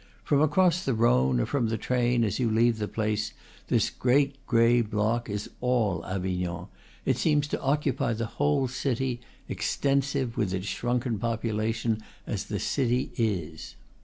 From across the Rhone, or from the train, as you leave the place, this great gray block is all Avignon; it seems to occupy the whole city, extensive, with its shrunken population, as the city is.